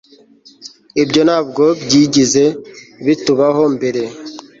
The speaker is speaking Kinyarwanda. ibyo ntabwo byigeze bitubaho mbere